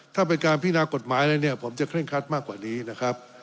ถ้าเป็นการพินากฎหมายแล้วเนี่ยผมจะเคร่งครัดมากกว่านี้นะครับ